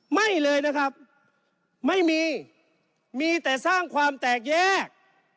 ไม่เลยนะครับไม่มีมีแต่สร้างความแตกแยก